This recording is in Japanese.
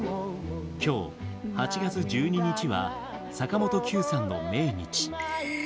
今日８月１２日は坂本九さんの命日。